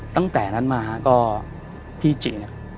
ตั้งแต่นั้นมาก็พี่จิเนี่ย